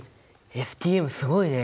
ＳＴＭすごいね！